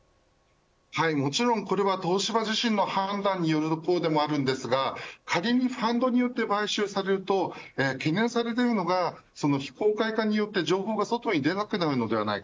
もちろんこれは東芝自身の判断による一方でもあるんですが仮にファンドによって買収されると懸念されているのが非公開化によって情報が外に出なくなるのではないか。